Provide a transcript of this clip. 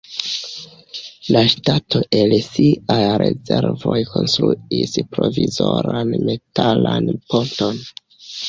La ŝtato el siaj rezervoj konstruis provizoran metalan ponton.